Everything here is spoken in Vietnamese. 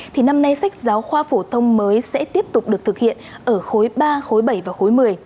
thì năm nay sách giáo khoa phổ thông mới sẽ tiếp tục được thực hiện ở khối ba khối bảy và khối một mươi